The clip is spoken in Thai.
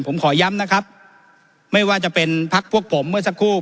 ผมขอย้ำนะครับไม่ว่าจะเป็นพักพวกผมเมื่อสักครู่